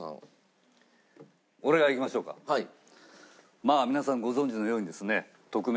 まあ皆さんご存じのようにですね